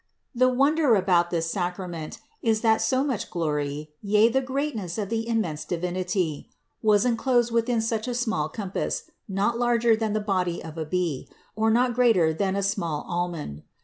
145. The wonder about this sacrament is that so much glory, yea, the greatness of the immense Divinity, was enclosed within such a small compass, not larger than the body of a bee, or not greater than a small al mond.